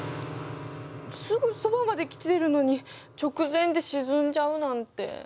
すぐそばまで来てるのに直前で沈んじゃうなんて悲しい。